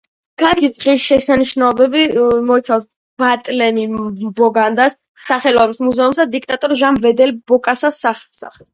ქალაქის ღირსშესანიშნაობები მოიცავს ბარტელემი ბოგანდას სახელობის მუზეუმს და დიქტატორ ჟან ბედელ ბოკასას სასახლეს.